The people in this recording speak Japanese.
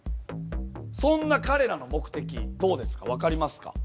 そんな彼らの目的どうですか分かりますか？